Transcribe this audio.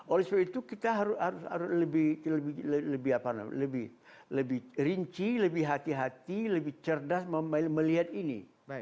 oleh sebab itu kita harus lebih rinci lebih hati hati lebih cerdas melihat ini